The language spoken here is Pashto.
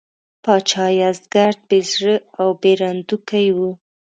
پاچا یزدګُرد بې زړه او بېرندوکی و.